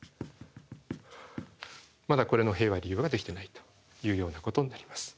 まだこれの平和利用ができてないというようなことになります。